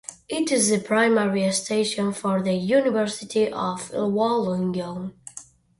It is the primary station for the University of Wollongong.